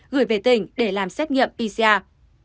gửi về tỉnh để làm xét nghiệm pcr